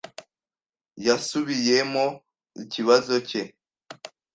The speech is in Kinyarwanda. Yasubiyemo ikibazo cye.